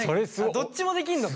どっちもできんのか。